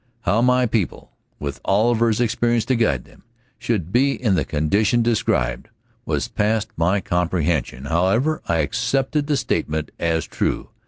How my people, with Oliver's experience to guide them, should be in the condition described, was past my comprehension. However, I accepted the statement as true.